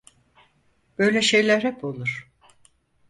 Böyle şeyler hep olur.